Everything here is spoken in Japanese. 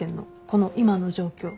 この今の状況。